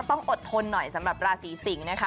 ต้องอดทนหน่อยสำหรับราศีสิงศ์นะคะ